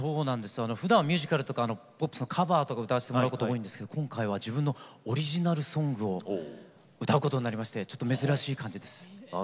ふだんミュージカルとかポップスのカバーを歌わせてもらうことが多いんですけれども今回は自分のオリジナルソングを歌うことになりましてちょっと珍しい感じです。